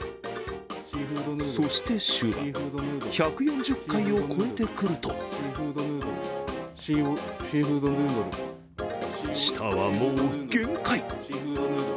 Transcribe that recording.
そして終盤、１４０回を超えてくると舌はもう限界。